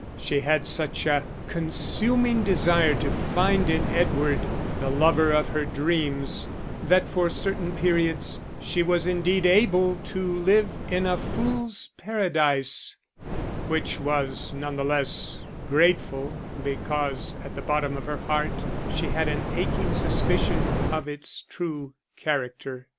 She had such a consuming desire to find in Edward the lover of her dreams, that for certain periods she was indeed able to live in a fool's paradise, which was none the less grateful because at the bottom of her heart she had an aching suspicion of its true character.